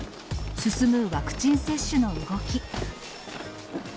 進むワクチン接種の動き。